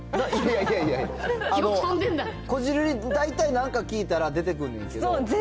いや、こじるり、大体なんか聞いたら出てくるんですけど。